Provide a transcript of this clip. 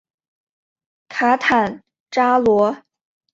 卡坦扎罗。